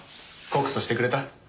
告訴してくれた？